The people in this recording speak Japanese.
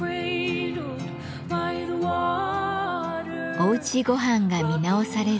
おうちごはんが見直される